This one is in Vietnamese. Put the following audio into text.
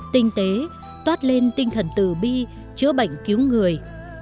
tinh tế toát lên tinh thần tử bi chữa bệnh cứu người